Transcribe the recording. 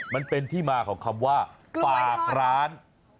มันเป็นที่มาของคำว่าฝากร้าน